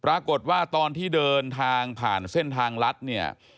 ตอนที่เดินทางผ่านเส้นทางรัฐเนี่ย